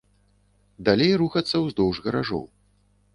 Далей рухацца ўздоўж гаражоў.